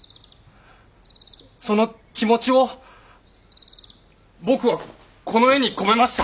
その気持ちを僕はこの絵に込めました。